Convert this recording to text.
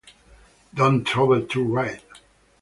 Don't trouble to write.